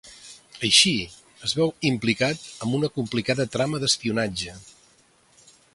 Així, es veu implicat en una complicada trama d'espionatge.